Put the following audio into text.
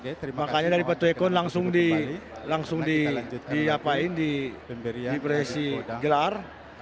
mungkin makanya dari patwekon langsung diapain diperhiasi gelar